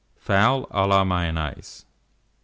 FOWL A LA MAYONNAISE. 962.